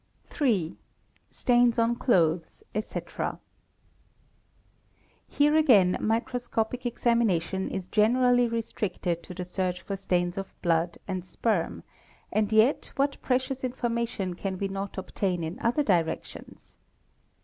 | 3. Stains on Clothes, ete. Here again microscopic examination is generally restricted to the © search for stains of blood and sperm; and yet what precious information can we not obtain in other directions.